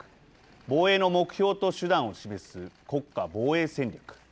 防衛の目標と手段を示す国家防衛戦略。